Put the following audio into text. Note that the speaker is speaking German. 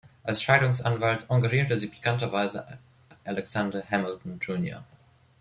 Als Scheidungsanwalt engagierte sie pikanterweise Alexander Hamilton Jr.